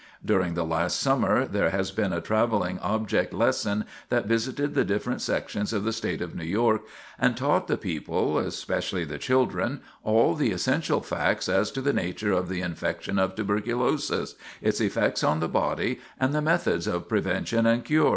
During the last summer there has been a traveling object lesson that visited the different sections of the State of New York and taught the people, especially the children, all the essential facts as to the nature of the infection of tuberculosis, its effects on the body, and the methods of prevention and cure.